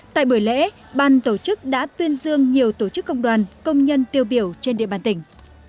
tại buổi lễ ban tổ chức đã tuyên dương nhiều tổ chức công đoàn công nhân tiêu biểu trên địa bàn tỉnh